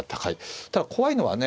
ただ怖いのはね